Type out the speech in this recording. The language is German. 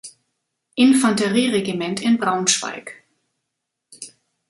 Infanterie-Regiment in Braunschweig.